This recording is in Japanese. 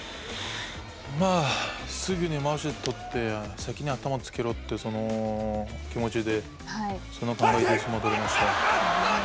まあ、すぐにまわしを取って、先に頭をつけろってその気持ちで相撲を取りました。